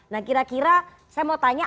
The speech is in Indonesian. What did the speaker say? nah kira kira saya mau tanya